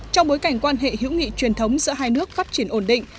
trong bối cảnh quan hệ hữu nghị truyền thống giữa hai nước phát triển ổn định